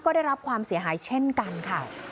ก็ได้รับความเสียหายเช่นกันค่ะ